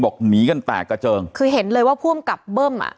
หนีกันแตกกระเจิงคือเห็นเลยว่าผู้อำกับเบิ้มอ่ะ